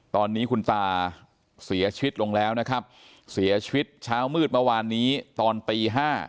ตอนนี้คุณตาเสียชีวิตลงแล้วนะครับเสียชีวิตเช้ามืดเมื่อวานนี้ตอนตี๕